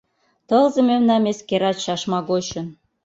Тылзе мемнам эскера чашма гочын